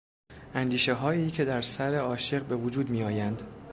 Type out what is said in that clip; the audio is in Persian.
اندیشههایی که در سرعاشق به وجود میآیند